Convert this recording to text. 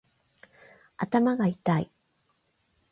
頭がいたい